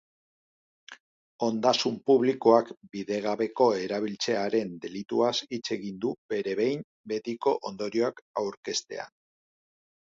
Ondasun publikoak bidegabeko erabiltzearen delituaz hitz egin du bere behin betiko ondorioak aurkeztean.